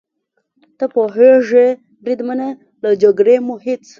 ته پوهېږې بریدمنه، له جګړې مو هېڅ.